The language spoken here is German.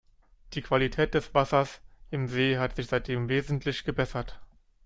Die Qualität des Wassers im See hat sich seitdem wesentlich gebessert.